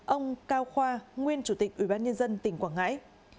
ba ông cao khoa nguyên chủ tịch ủy ban nhân dân tỉnh quảng ngãi